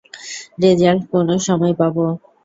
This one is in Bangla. রেজাল্ট কোন সময় পাবো?